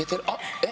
えっ？